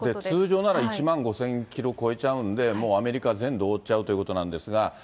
通常なら１万５０００キロ超えちゃうんで、もうアメリカ全土を覆っちゃうっていうことなんですが。